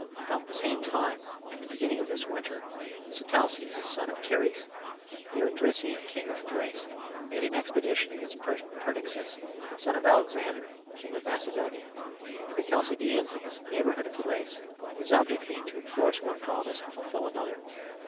About the same time, at the beginning of this winter, Sitalces, son of Teres, the Odrysian king of Thrace, made an expedition against Perdiccas, son of Alexander, king of Macedonia, and the Chalcidians in the neighbourhood of Thrace; his object being to enforce one promise and fulfil another.